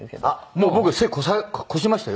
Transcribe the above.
もう僕背越しましたよ